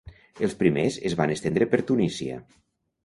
Els primers es van estendre per Tunísia.